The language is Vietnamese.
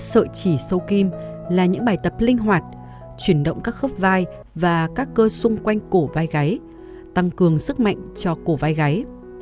sợi chỉ sâu kim là những bài tập linh hoạt chuyển động các khớp vai và các cơ xung quanh cổ vai gáy tăng cường sức mạnh cho cổ vai gáy